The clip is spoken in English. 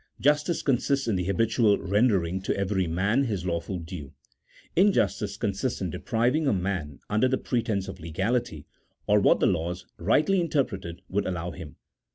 Justice consists in the habitual rendering to every man his lawful due : in justice consists in depriving a man, under the pretence of legality, of what the laws, rightly interpreted, would allow him.